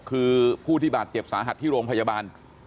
คือผู้ที่บาดเจ็บสาหัสที่โรงพยาบาล